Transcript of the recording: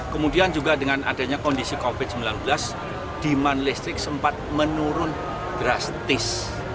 kemudian juga dengan adanya kondisi covid sembilan belas demand listrik sempat menurun drastis